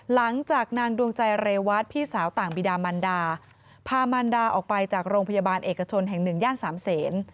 หลังจากนางดวงใจเรวัตพี่สาวต่างบีดามันดาพามันดาออกไปจากโรงพยาบาลเอกชนแห่งหนึ่งย่านสามเศษ